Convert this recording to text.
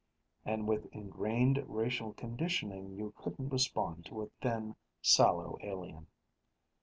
"And with ingrained racial conditioning, you couldn't respond to a thin, sallow alien."